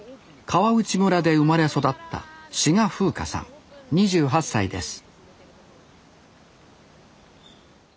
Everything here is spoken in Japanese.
川内村で生まれ育った志賀風夏さん２８歳です